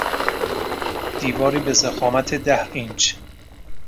دیواری به ضخامت ده اینچ